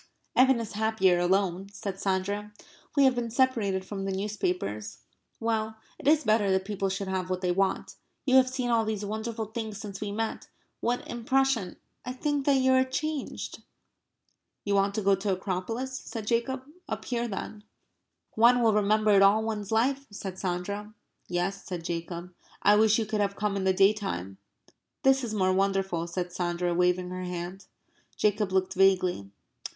"Evan is happier alone," said Sandra. "We have been separated from the newspapers. Well, it is better that people should have what they want.... You have seen all these wonderful things since we met.... What impression ... I think that you are changed." "You want to go to the Acropolis," said Jacob. "Up here then." "One will remember it all one's life," said Sandra. "Yes," said Jacob. "I wish you could have come in the day time." "This is more wonderful," said Sandra, waving her hand. Jacob looked vaguely.